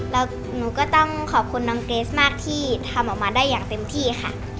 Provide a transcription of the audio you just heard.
แล้วหนูก็ต้องขอบคุณน้องเกรสมากที่ทำออกมาได้อย่างเต็มที่ค่ะ